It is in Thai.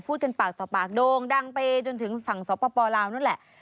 พูดกันปากต่อปากโด่งดังไปจนถึงฝั่งสปลาวนั่นแหละ